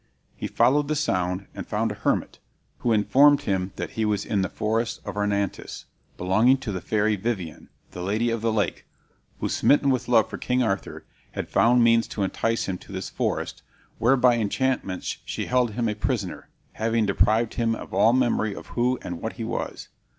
He followed the sound, and found a hermit, who informed him that he was in the forest of Arnantes, belonging to the fairy Viviane, the Lady of the Lake, who, smitten with love for King Arthur, had found means to entice him to this forest, where by enchantments she held him a prisoner, having deprived him of all memory of who and what he was.